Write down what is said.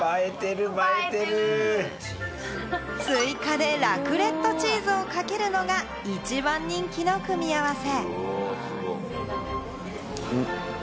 追加でラクレットチーズをかけるのが一番人気の組み合わせ。